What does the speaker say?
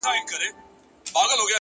مهرباني د کینې اور مړ کوي،